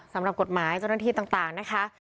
สำหรับกฎหมายเจ้าหน้าที่ต่างนะคะ